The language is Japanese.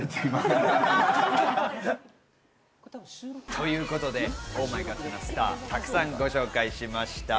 ということで、ＯｈＭｙＧｏｄなスター、たくさんご紹介しました。